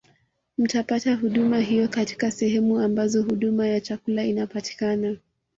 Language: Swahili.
Mtapata huduma hiyo katika sehemu ambazo huduma ya chakula inapatikana